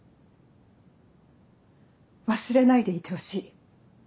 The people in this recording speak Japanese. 忘れないでいてほしい。